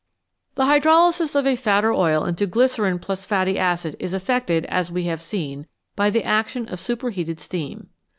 The hydrolysis of a fat or oil into glycerine { fatty acid is effected, as we have seen, by the action of super heated steam.